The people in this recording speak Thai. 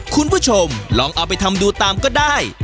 คุณผู้ชมลองเอาไปทำดูตามก็ได้